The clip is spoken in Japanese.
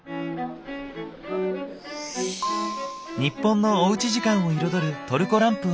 日本のおうち時間を彩るトルコランプを求めて。